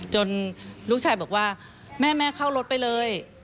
ลูกชายบอกว่าแม่เข้ารถไปเลย